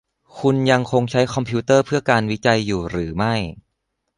คุณยังคงใช้คอมพิวเตอร์เพื่อการวิจัยอยู่หรือไม่ ?